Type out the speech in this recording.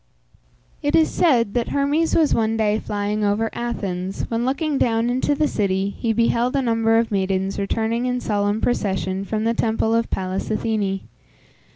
It is said that Hermes was one day flying over Athens, when, looking down into the city, he beheld a number of maidens returning in solemn procession from the temple of Pallas Athene.